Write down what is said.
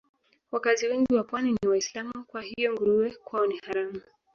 Wakazi wengi wa Pwani ni Waislamu kwa hiyo nguruwe kwao ni haramu